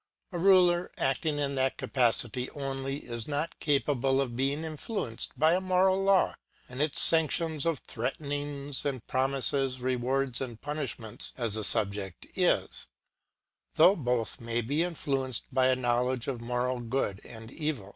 A ruler acting in that capacity only, is not ca pable of being influenced by a moral law, and its sanctions of threatenings and promises, rewards and punishments, as the subject is: though both may be influenced by a know ledge of moral good and evil.